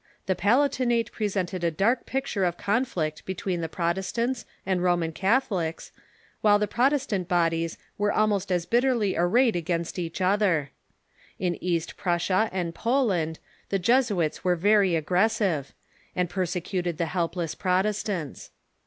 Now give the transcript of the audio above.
The Palatinate presented a dark picture ,. of conflict between the Protestants and Roman Germany after the Peace of Catholics, while the Protestant bodies were almost Westphalia ^^ bitterly arrayed against each other. In East Prussia and Poland the Jesuits were very aggressive, and per secuted the helpless Protestants.